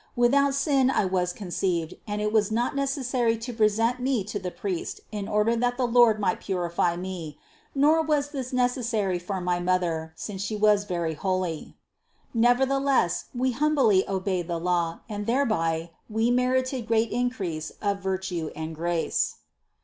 Without sin I was conceived and it was not necessary to present me to the priest in order that the Lord might purify me; nor was this necessary for my mother, since she was very holy. Nevertheless we hum bly obeyed the law and thereby we merited great in crease of virtue and grace.